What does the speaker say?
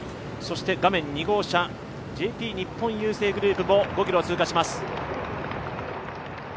画面２号車、ＪＰ日本郵政グループも５ｋｍを通過します。